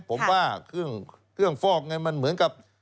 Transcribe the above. ผมว่าเครื่องฟอกไงมันเหมือนกับ